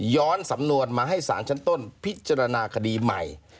สำนวนมาให้สารชั้นต้นพิจารณาคดีใหม่